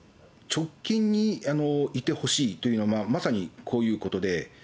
直近にいてほしいのは、まさにこういうことで。